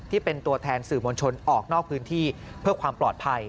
ที่เป็นตัวแทนสื่อมวลชนออกนอกพื้นที่เพื่อความปลอดภัย